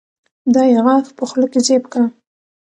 دا يې غاښ په خوله کې زېب کا